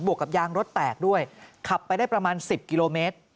วกกับยางรถแตกด้วยขับไปได้ประมาณ๑๐กิโลเมตร